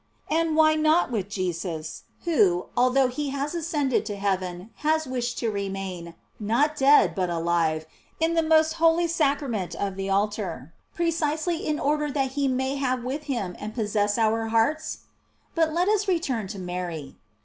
And why not with Jesus, who, although he has ascended to heaven, has wished to remain, not dead but alive, in the most holy sacrament of the altar, precisely in order that he may have with him and possess our hearts ? But let us return to Mary.